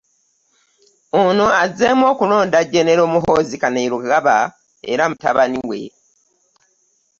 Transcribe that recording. Ono azzeemu okulonda Jjenero Muhoozi Kainerugaba era mutabani we